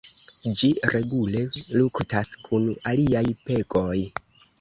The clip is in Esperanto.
Ĝi regule luktas kun aliaj pegoj.